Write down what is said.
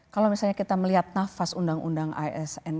kalau misalnya kita melihat nafas undang undang asn